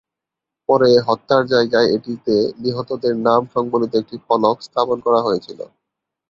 পরে হত্যার জায়গায় এটিতে নিহতদের নাম সংবলিত একটি ফলক স্থাপন করা হয়েছিল।